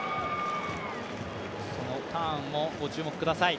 そのターンもご注目ください。